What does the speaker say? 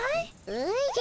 おじゃ。